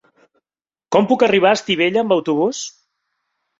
Com puc arribar a Estivella amb autobús?